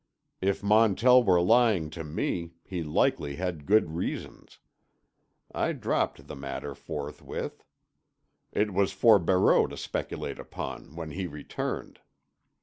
If Montell were lying to me, he likely had good reasons. I dropped the matter forthwith. It was for Barreau to speculate upon, when he returned.